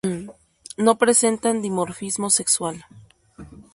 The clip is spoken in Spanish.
No presentan dimorfismo sexual.